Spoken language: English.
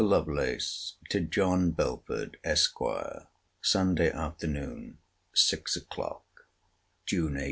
LOVELACE, TO JOHN BELFORD, ESQ. SUNDAY AFTERNOON, SIX O'CLOCK, (JUNE 18.)